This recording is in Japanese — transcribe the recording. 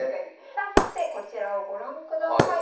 さあそしてこちらをご覧ください。